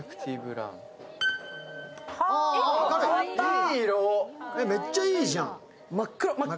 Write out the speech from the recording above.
いい色、めっちゃいいじゃん。